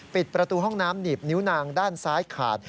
ปิดประตูห้องน้ำหนีบนิ้วนางด้านซ้ายขาด